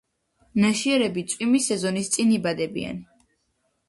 ნაშიერები წვიმის სეზონის წინ იბადებიან.